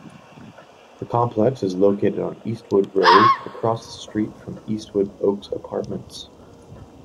The complex is located on Eastwood Road, across the street from Eastwood Oaks Apartments.